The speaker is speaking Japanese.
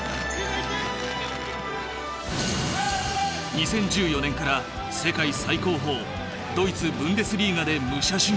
２０１４年から世界最高峰ドイツブンデスリーガで武者修行。